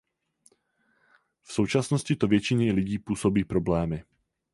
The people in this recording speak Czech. V současnosti to většině lidí působí problémy.